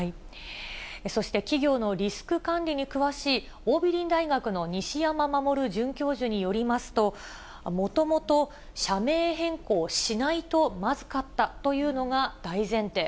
そして企業のリスク管理に詳しい桜美林大学の西山守准教授によりますと、もともと社名変更しないとまずかったというのが大前提。